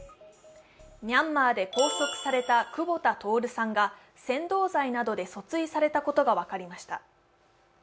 ミャンマーで拘束された久保田徹さんが扇動罪などで訴追されたことが分かりました。